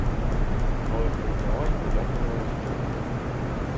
Але прийняла й подякувала щиро.